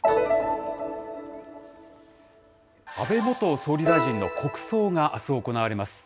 安倍元総理大臣の国葬があす行われます。